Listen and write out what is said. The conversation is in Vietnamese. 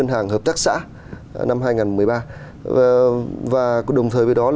năm hai nghìn một mươi ba đồng thời với đó